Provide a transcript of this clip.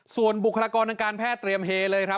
ส่วนบุคลากรทางการแพทย์เตรียมเฮเลยครับ